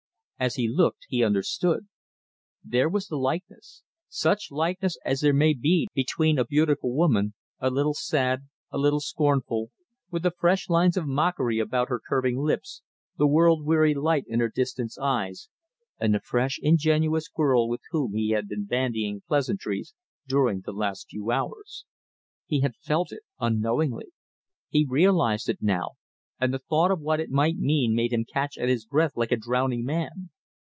As he looked he understood. There was the likeness, such likeness as there may be between a beautiful woman, a little sad, a little scornful, with the faint lines of mockery about her curving lips, the world weary light in her distant eyes, and the fresh, ingenuous girl with whom he had been bandying pleasantries during the last few hours. He had felt it unknowingly. He realized it now, and the thought of what it might mean made him catch at his breath like a drowning man.